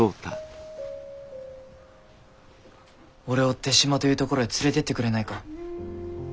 俺を出島というところへ連れていってくれないか。